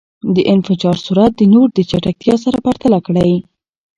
د انفجار سرعت د نور د چټکتیا سره پرتله کېږی.